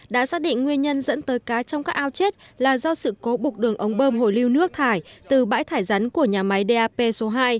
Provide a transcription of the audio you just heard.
đã xác định nguyên nhân dẫn tới cá trong các ao chết là do sự cố bục đường ống bơm hồ lưu nước thải từ bãi thải rắn của nhà máy dap số hai